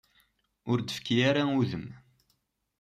Ur d-tefki ara udem.